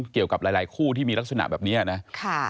เกี่ยวกับหลายคู่ที่มีลักษณะแบบนี้นะ